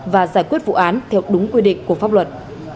và giải quyết vụ án theo đúng quy định của pháp luật